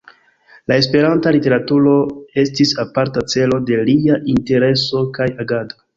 La Esperanta literaturo estis aparta celo de lia intereso kaj agado.